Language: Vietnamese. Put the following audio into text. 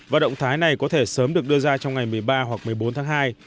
và động thái này có thể sớm được đưa ra trong ngày một mươi ba hoặc một mươi bốn tháng hai